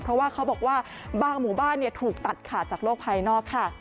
เพราะว่าเขาบอกว่าบางหมู่บ้านถูกตัดขาดจากโลกภายนอกค่ะ